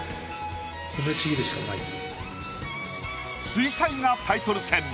水彩画タイトル戦。